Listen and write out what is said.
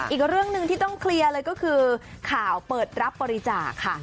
อีกเรื่องหนึ่งที่ต้องเคลียร์เลยก็คือข่าวเปิดรับบริจาคค่ะ